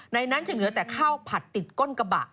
นั้นจะเหลือแต่ข้าวผัดติดก้นกระบะ